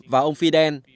và ông fidel